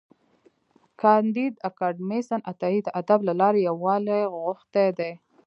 کانديد اکاډميسن عطایي د ادب له لارې یووالی غوښتی دی.